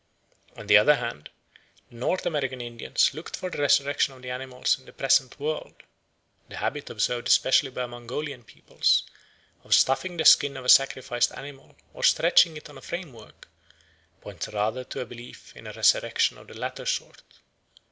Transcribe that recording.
On the other hand, the North American Indians looked for the resurrection of the animals in the present world. The habit, observed especially by Mongolian peoples, of stuffing the skin of a sacrificed animal, or stretching it on a framework, points rather to a belief in a resurrection of the latter sort.